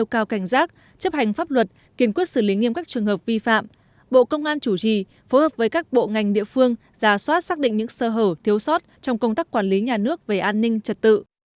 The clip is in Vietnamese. chấp hành pháp luật kiên quyết xử lý nghiêm các trường hợp vi phạm bộ công an chủ trì phối hợp với các bộ ngành địa phương giả soát xác định những sơ hở thiếu sót trong công tác quản lý nhà nước về an ninh trật tự